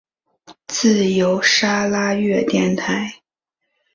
自由砂拉越电台。